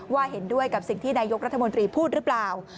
เห็นด้วยกับสิ่งที่นายกรัฐมนตรีพูดหรือเปล่า